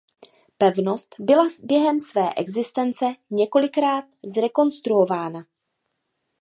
Pevnost byla během své existence několikrát zrekonstruována.